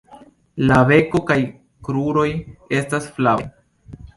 La beko kaj kruroj estas flavaj.